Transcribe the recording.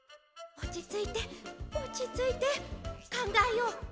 おちついておちついてかんがえよう。